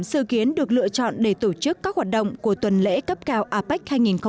sự kiến được lựa chọn để tổ chức các hoạt động của tuần lễ cấp cao apec hai nghìn một mươi bảy